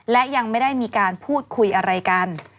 และยังไม่ได้มีการพูดคุยอะไรกัน